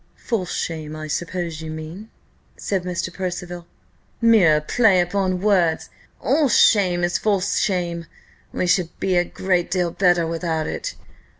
"False shame, I suppose you mean?" said Mr. Percival. "Mere play upon words! All shame is false shame we should be a great deal better without it.